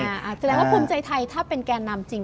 แสดงว่าภูมิใจไทยถ้าเป็นแก่นำจริง